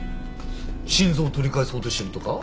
心臓を取り返そうとしてるとか？